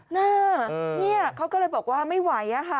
เนี่ยเขาก็เลยบอกว่าไม่ไหวอะค่ะ